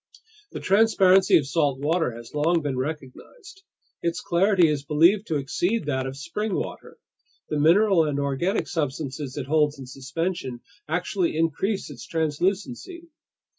The transparency of salt water has long been recognized. Its clarity is believed to exceed that of spring water. The mineral and organic substances it holds in suspension actually increase its translucency.